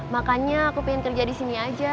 makanya aku pengen kerja disini aja